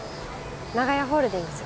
長屋ホールディングス。